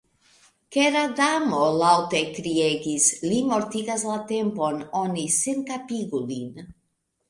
Kera Damo laŭte kriegis: 'Li mortigas la Tempon; oni senkapigu lin.'"